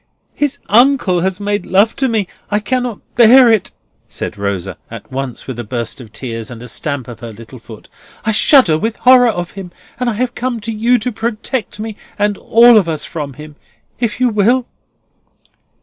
"His uncle has made love to me. I cannot bear it," said Rosa, at once with a burst of tears, and a stamp of her little foot; "I shudder with horror of him, and I have come to you to protect me and all of us from him, if you will?"